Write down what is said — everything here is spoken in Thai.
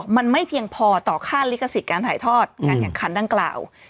มันไม่เพียงพอต่อค่าลิขสิทธิ์การถ่ายทอดการแข่งขันดังกล่าว